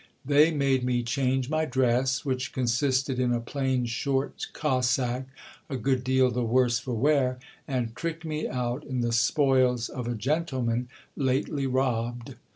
They made me change my dress, which consisted in a plain short cossack a good deal the worse for wear, and tricked me out in the spoils of a gentleman lately robbed.